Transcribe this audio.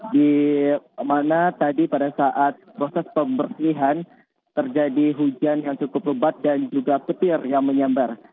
di mana tadi pada saat proses pembersihan terjadi hujan yang cukup lebat dan juga petir yang menyambar